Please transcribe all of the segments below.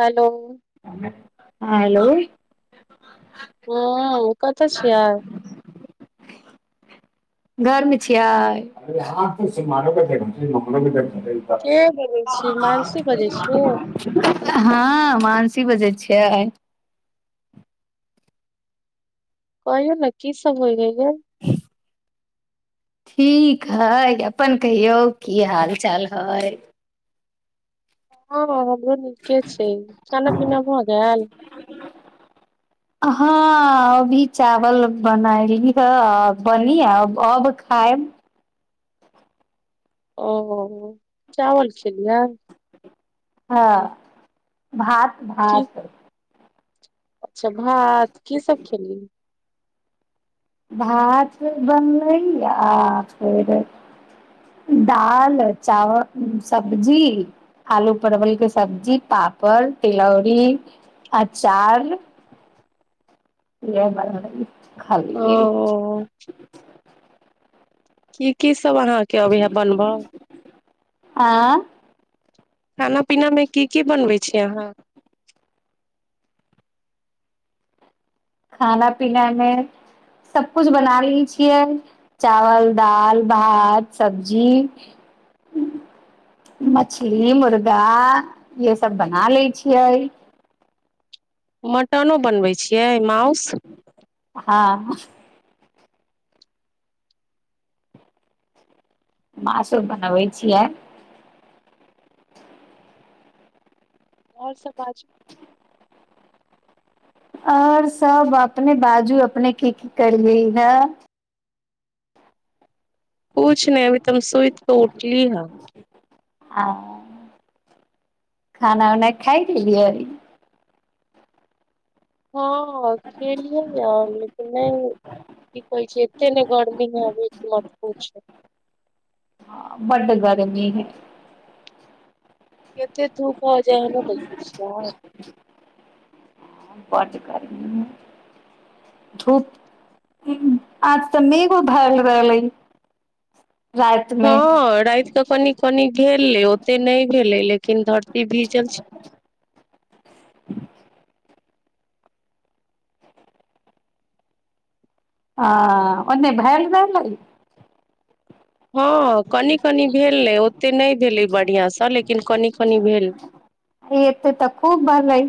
Hello हमे ऐं यौ हुँ कतऽ छियै घर मे छिय - के बजै छी मानसी बजै छियै हँ मानस की बजैय छियै कहियौ ने की सब होइ हइ ठीक हइ अपन कहियौ की हाल चाल हइ हाँ हमरो नीक छै छाना पीना भऽ गेल हँ अभी चावल बनयली हऽ बनी अब खायब ओ चावल खेलियै हँ भात की भात अच्छा भात की सब खेलीय भात बनलै आ फेर दालि चावल सबजी आलू परवलके सबजी पापड़ तिलौरी अचार ए बरै [inaudible] खालीय ओ की किस सब अहाँके अबैय या बनब आँ खाना पीनामे की की बनबै छीय अहाँ खाना पीनामे सभकिछु बना लै छियै चावल दालि भात सबजी मछली मुर्गा इएहसभ बना लै छियै मटनो बनबै छियै माउँस हाँ मउँसो बनबै छियै आओर सब बाजु आओर सभ अपने बाजू अपने की की करियै रहए कुछ नहि अभी तऽ सुईत तऽ उठली ह आ खाना उना खााय लेलियै हँ खेलि ह आ लेकिन नहि कि कहै छी एते नहि गर्मी भऽ गेल छले कि पुछू नै हँ बड्ड गर्मी हइ कतेक धूप हो जाइ ने देखै छिय बड्ड गर्मी हइ धूप आज तऽ मेघो धरल रहलै राति मे हँ रात कऽ कनि कनि भेलै ओतेक नहि भेलै लेकिन धरती भीजल छै आ ओने भैल रहै हँ कनि कनि भेल ने ओते नहि भेलै बढ़िआंसँ लेकिन कनि कनी भेलय एते तऽ खूब भरलै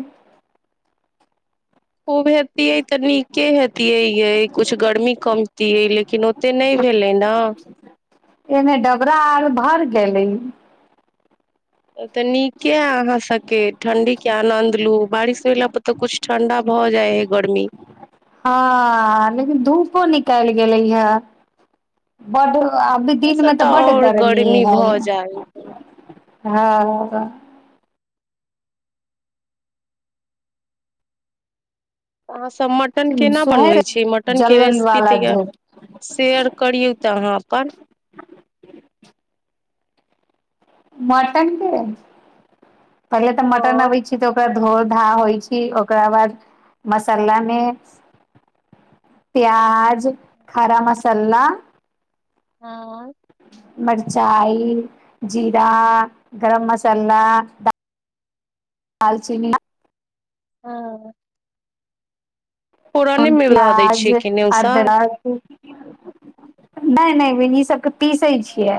खूब हेतिये तऽ नीके हेतिये यै कुछ गर्मी कमतिय लेकिन लेकिन ओते नहि भेलनि एमे डबरा आर भर गेलै ह [inaudible] तऽ नीके ये अहाँ सबके ठंडी के आनन्द लू बारिश होयला पर तऽ कुछ ठण्डा भऽ जाइ हइ गर्मी हँ लेकिन धूपो निकालि गेलै ह बड्ड आभी से दिनमे तऽ बड्ड और गर्मी हइ भऽ जाइ है हँ अहाँ सभ तऽ मटन केना सुहे बनबै छी मटनके जलन रेसिपी वाला तैयार धूप शेयर करियौ तऽ अहाँ अपन [inaudible] मटन के पहिले तऽ मटन हँ अबै छै तऽ ओकरा धो धा होइ छी ओकरा बाद मसालामे प्याज खड़ा मसाला हँ मिरचाइ जीरा गरम मसाला दालचीनी हँ फोरने मे धऽ दै प्याज छियै कि नेउसा अदरक नहि नहि बि इ सबके पीसैत छियै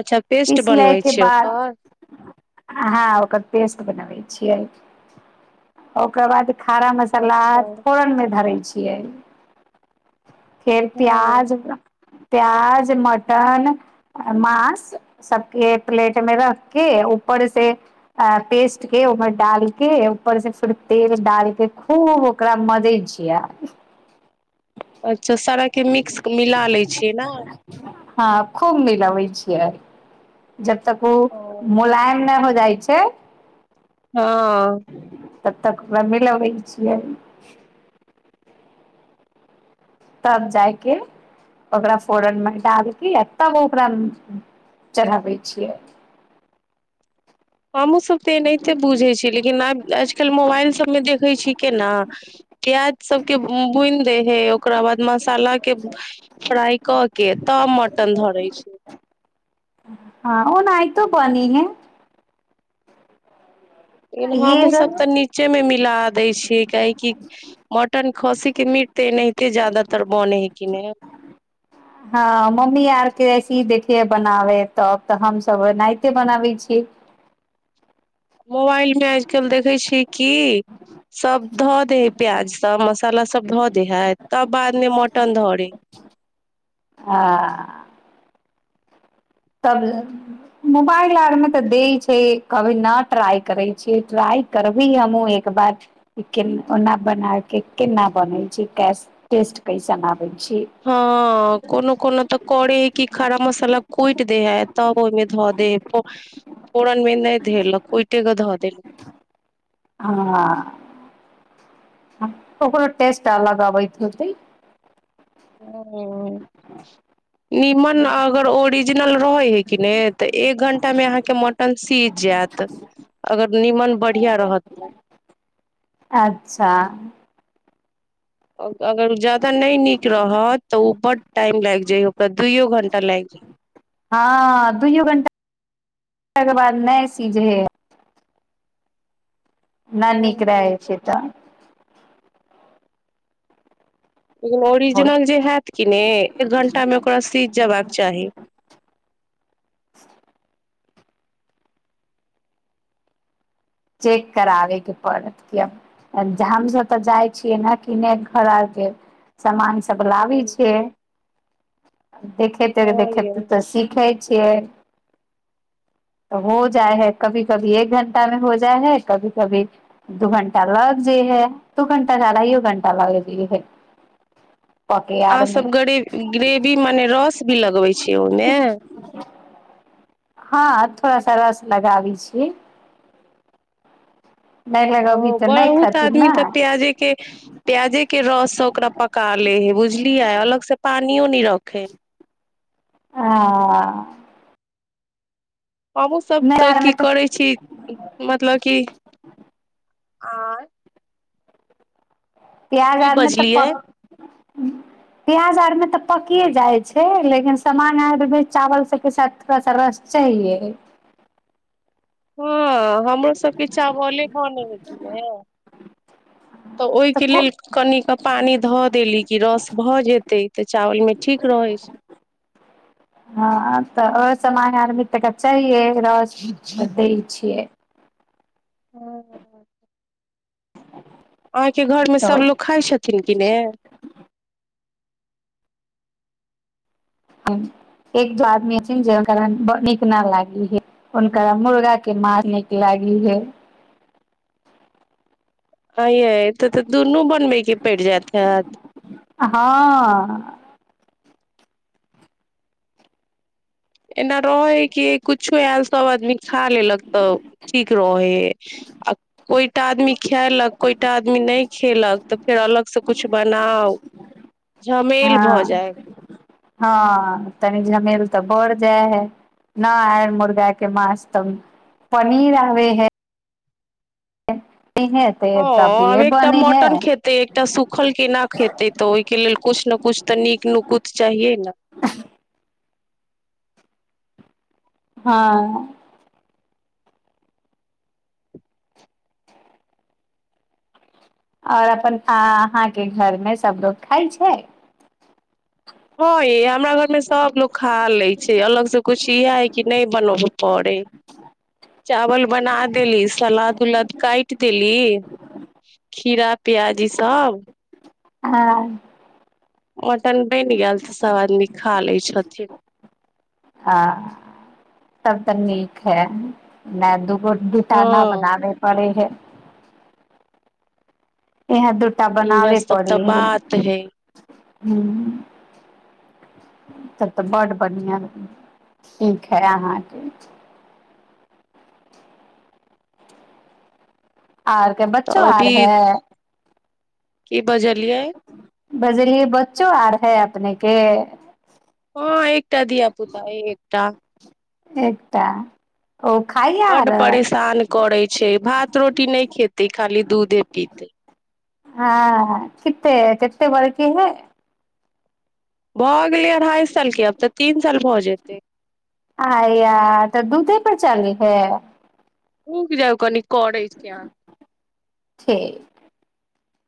अच्छा पेस्ट पीस लै बनबै के छियै बाद ओकर हँ ओकर पेस्ट बनाबै छियै ओकर बाद खारा मसाला अच्छा आर फोरनमे धरे छियै छियै फेर हँ प्याज प्याज मटन माँस सभके प्लेटमे रखके ऊपरसँ पेस्ट के ओहिमे डालके ऊपरसँ फेर तेल डालके खूब ओकरा मजै छियै अच्छा सारा के मिक्स मिला लै छियै न हँ खूब मिलबै छियै जब तक ओ मुलायम न हो जाइ छै हँ तब तक ओकरा मिलबै छियै तब जाइ के ओकरा फोरनमे डालि के आ तब ओकरा चढ़ाबै छियै हमहूँसभ तऽ एनाहिते बुझैत छी लेकिन आ आज मोबाइल मे देखै छी केना प्याज सबके बुनि देै है ओकरा बाद म मसाला के फ्राइ कऽ के तब मटन धरै छै ओनायतो ह लेकिन हमहुँ सब तऽ नीचे मे मिल दै छियै काह कि मटन खसी के मीट तऽ एनाहिते जादातर बने हय कि नहि हँ मम्मी आरके से ह देखिय बनाबै तब तऽ हमसभ ओनाहिते बनाबै छियै मोबाइल मे आजकल देखै छियै कि सभ धऽ दे हइ प्याज सब मसाला सभ धऽ दे हइ तब बादमे मटन धरे हय हां तब ल मोबाइल आर मे तऽ दै छै से कभी न ट्राई करे छी ट्राई करबी हमहु एक बार के ओना बना के केना बने छी क टेस्ट कैसन न हँ कोनो कोनो तऽ करै हय कि खरा मसाला कुटि कट दे है तब ओहिमे धो दे ओरा धरल कोइटे धऽ देल हँ ओकरो टेस्ट अलग अबैत होतै ओ ह निमन अगर ओरिजिनल रहै हय किने तऽ एक घंटा में अहाँक मटन सिझ जायत अगर निमन बढिया रहत तऽ अच्छा ओ अगर ओ ज्यादा नहि नीक रहत तऽ ओ बड टाइम लि जाइय हँ दुूयओ घण्टा तकर बाद नहि सीझ हइ न नीक रहै जाय छै तऽ ओरिजिनल जे हयत कि ने एक घंटा मे ओकरा सीझ जेबाक चाही चेक कराबयके पड़त किए हमसभ तऽ जाइ छियै ने किने घर आरके सामान चगलाबी छै देखेतै हँ यै देखेतै तऽ सीखैत छियै तऽ हो जाइ है कभी कभी एक घण्टा मे हो जा जा है कभी कभी दू घण्टा लग जे है दू घण्टा साढ़ाइयो घण्टा लग ज है पके आर मे अहसभ गे ग्रेवी मने रस भी लगबै छियै ओहिमे हँ थोड़ा सा रस लगाबै छियै नहि ओ लगबी तऽ नहि बहुत खथिन आदमी ने तऽ प्याजे के प्याजे के रस से ओकरा पका ले हे बुझलियै अलग से पानियो न रख प खी ह हमहुूँ सभ तऽ की करै छी मतलब क आ प्याज आरमे तऽ प बजलियै प्याज आरमे तऽ पकिए जाइ छै। लेकिन सामान आर भ चावल सभके साथ थोड़ा सा रस चाहिये हँ हमरो सबके चावले भरने छलै हे तऽ ओहिके लेल कन क पानी धऽ देली कि रस भऽ जेतै तऽ चावल मे ठीक रहै छै हँ तऽ ओ सान आरमे ता चाहिये र दै छियै ह ह हँ अहाँके घरमे सभ लोक खाइ छथिन किने एक दो आदमीथिन जे हरा नीक न लागी हे हुनकरा मुर्गा के माछ नीक लागी हे आ ते तऽ दुनू बनबैके पड़ जायत हत हँ एना रहै कि किछु कछ आयल सब आदमी खा लेलक तऽ ठीक रहै हय आ कोईटा आदमी खलक कोईटा आदमी नहि खेलक तऽ फेर अलग से कुछ बनाउ झमेल भऽ हँ जायत हँ तनी झमेल तऽ बड़ जा है न आय मुर्गा के माछ तब पनीर आबे है ह ह आब एकटा मटन खेतै एकटा सुूखल केना खेतै तऽ ओहिके लेल किछु ने किछ तऽ नीक नुकुत चाहियै ने हँ आओर अपन अहाँके घरमे सभ लोको खाइ छै हँ य हमरा घर में सब लोग खा ले छै अलग से कुछ इह है कि नहि बनब पे चावल बना देली सलाद उलाद काटि देली खीरा प्याज ईसभ हँ मटन बनि गेल तऽ सभ आदमी खा लैत छथिन हँ सभ तऽ नीक है मै दुःख हँ गोडटाना बनााने पड़े है इह दूटा इएह बनाबे सब पड़ै तऽ ह बात है ह तब तऽ ब्ड बढ़िआँ ठीक है अहाँके आरके तऽ बच्चो आर अभी है की बजलियै बजले बच्चो आर है अपने के ह एक धिया पुता एक त एकटा ओ खाइ आर बड्ड परेशान करैत छै भात रोटी नहि खेतै खाली दूधे पीतै हँ कते कते बरकेी है भऽ गेलै अढ़ाइ सालके अब तऽ तीन साल भऽ जेते आ या तऽ दूधे पर चली है ह कि जाइ कनििकै क ठीक